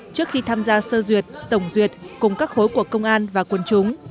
trước khi tham gia sơ duyệt tổng duyệt cùng các khối của công an và quân chúng